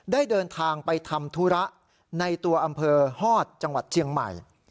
ได้เดินทางไปทำธุระในตัวอำเภอฮอตจังหวัดเชียงใหม่